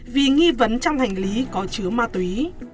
vì nghi vấn trong hành lý có chứa ma túy